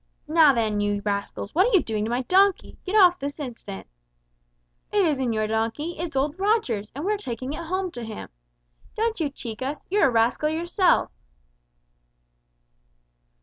"Now then, you rascals, what are you doing to my donkey? Get off it this instant!" "It isn't your donkey, it's old Roger's, and we're taking it home to him. Don't you cheek us! You're a rascal yourself!"